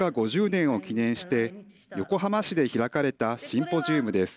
５０年を記念して横浜市で開かれたシンポジウムです。